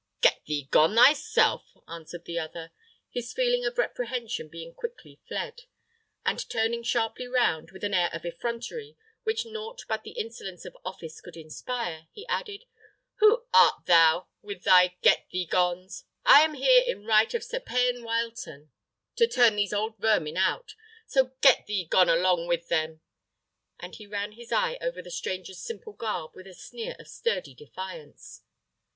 "Get thee gone thyself!" answered the other, his feeling of reprehension being quickly fled; and turning sharply round, with an air of effrontery which nought but the insolence of office could inspire, he added: "Who art thou, with thy get thee gones? I am here in right of Sir Payan Wileton, to turn these old vermin out; so get thee gone along with them!" And he ran his eye over the stranger's simple garb with a sneer of sturdy defiance.